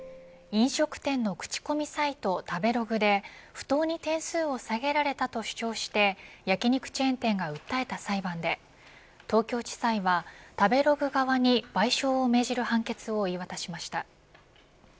飲食店の口コミサイト食べログで不当に点数を下げられたと主張して焼き肉チェーン店が訴えた裁判で東京地裁は食べログ側に賠償を命じる判決を言い渡しました。